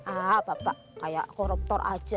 apa pak kayak koruptor saja